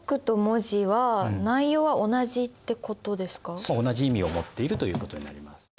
そう同じ意味を持っているということになります。